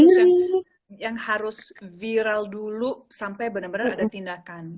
terus yang harus viral dulu sampai benar benar ada tindakan